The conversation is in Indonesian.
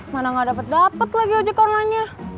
mana gak dapet dapet lagi uji koronanya